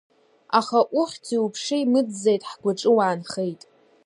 Аха ухьӡи уԥшеи мыӡӡеит, ҳгәаҿы уаанхеит.